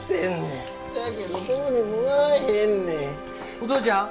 お父ちゃん？